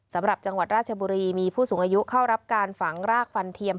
สำหรับจังหวัดราชบุรีมีผู้สูงอายุเข้ารับการฝังรากฟันเทียม